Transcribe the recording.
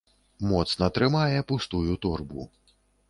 Моцна трымае пустую торбу.